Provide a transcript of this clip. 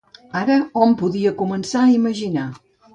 Ara hom podia començar a imaginar